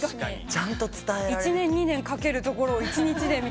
ちゃんと伝えられ。